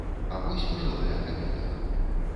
А вось пажылая кабета.